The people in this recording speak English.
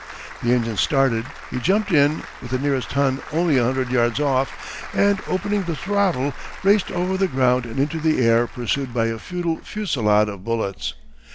The engine started, he jumped in, with the nearest Hun only a hundred yards off, and opening the throttle raced over the ground and into the air pursued by a futile fusillade of bullets.